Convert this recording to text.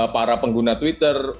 para pengguna twitter